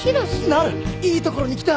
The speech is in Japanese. なるいいところに来た！